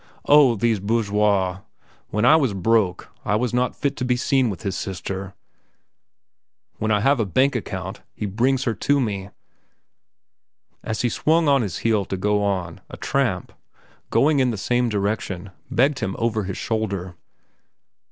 "Oh, these bourgeois! When I was broke, I was not fit to be seen with his sister. When I have a bank account, he brings her to me." As he swung on his heel to go on, a tramp, going in the same direction, begged him over his shoulder.